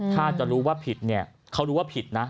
ถ้าจะรู้ว่าผิดเนี่ยเขารู้ว่าผิดนะ